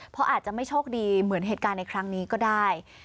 เพราะอาจจะไม่โชคดีเหมือนเหตุการณ์ในครั้งนี้ก็ได้